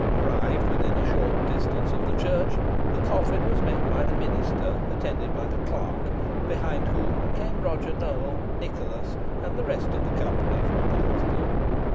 Arrived within a short distance of the church, the coffin was met by the minister, attended by the clerk, behind whom came Roger Nowell, Nicholas, and the rest of the company from the hostel.